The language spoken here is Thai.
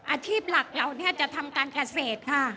อาชีพหลักเราเนี่ยจะทำการเกษตรค่ะ